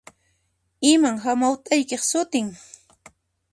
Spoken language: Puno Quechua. Iman hamawt'aykiq sutin?